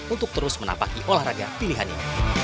untuk terus menapaki olahraga pilihannya